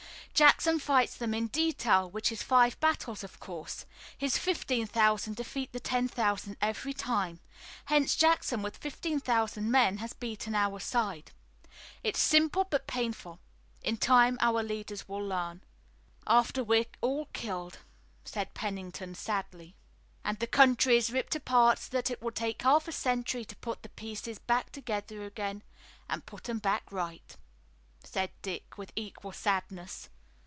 Jackson fights them in detail, which is five battles, of course. His fifteen thousand defeat the ten thousand every time. Hence Jackson with fifteen thousand men has beaten our side. It's simple but painful. In time our leaders will learn." "After we're all killed," said Pennington sadly. "And the country is ripped apart so that it will take half a century to put the pieces back together again and put 'em back right," said Dick, with equal sadness.